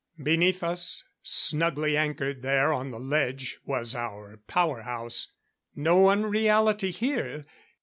Beneath us, snugly anchored there on the ledge, was our power house. No unreality here.